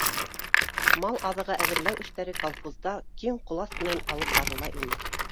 Мал аҙығы әҙерләү эштәре колхозда киң ҡолас менән алып барыла ине